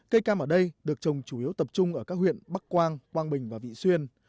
cây cam ở đây được trồng chủ yếu tập trung ở các huyện bắc quang quang bình và vị xuyên